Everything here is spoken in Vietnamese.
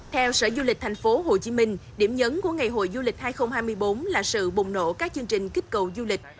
theo sở du lịch tp hcm điểm nhấn của ngày hội du lịch hai nghìn hai mươi bốn là sự bùng nổ các chương trình kích cầu du lịch